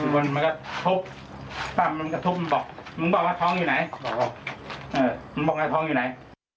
บนมันก็ทุบตั้มมันก็ทุบมันบอกมึงบอกว่าท้องอยู่ไหนบอกว่าท้องอยู่ไหน